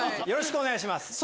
よろしくお願いします。